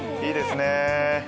いいですね。